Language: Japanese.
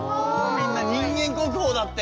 みんな人間国宝だって！